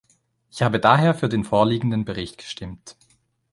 Ich habe daher für den vorliegenden Bericht gestimmt.